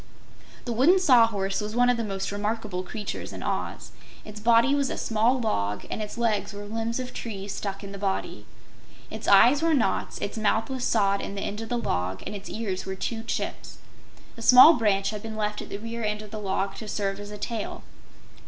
The Wooden Sawhorse was one of the most remarkable creatures in Oz. Its body was a small log and its legs were limbs of trees stuck in the body. Its eyes were knots, its mouth was sawed in the end of the log and its ears were two chips. A small branch had been left at the rear end of the log to serve as a tail.